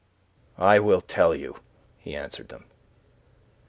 "I will tell you," he answered them.